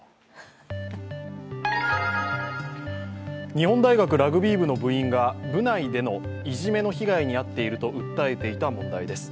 日本大学ラグビー部の部員が部内でのいじめの被害に遭っていると訴えていた問題です。